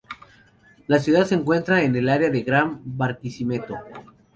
La ciudad se encuentra en el área de la Gran Barquisimeto.